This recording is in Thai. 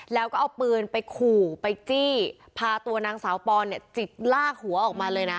แล้วก็เอาปืนไปขู่ไปจี้พาตัวนางสาวปอนเนี่ยจิกลากหัวออกมาเลยนะ